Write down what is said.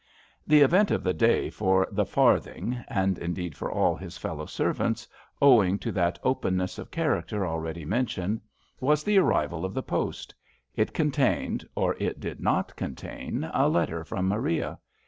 The event of the day for " The Farthing "— ^and indeed for all his fellow servants, owing to that openness of character already mentioned — was the arrival of the post. It contained, or it did not contain, a letter from Maria.